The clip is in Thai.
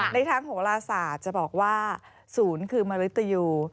ในทางโหลาศาสตร์จะบอกว่าศูนย์คือมริตยู